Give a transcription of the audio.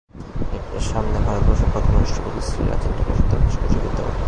এর সামনে ভারতবর্ষের প্রথম রাষ্ট্রপতি, শ্রী রাজেন্দ্র প্রসাদের ভাস্কর্য বিদ্যমান।